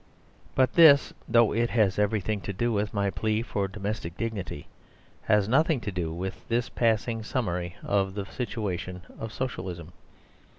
But this, though it has everything to do with my plea for a domestic dignity, has nothing to do with this passing summary of the situation of Socialism.